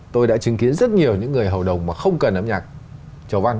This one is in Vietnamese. tôi đã chứng kiến rất nhiều những người hầu đồng mà không cần âm nhạc trầu văn